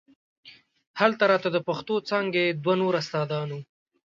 هلته راته د پښتو څانګې دوه نور استادان وو.